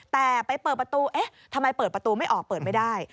แต่ไปเปิดประตูเอ๊ะทำไมเปิดประตูไม่ออกเปิดไม่ได้